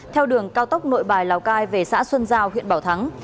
theo đường cao tốc nội bài lào cai về xã xuân giao huyện bảo thắng